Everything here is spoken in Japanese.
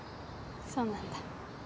そうなんだ。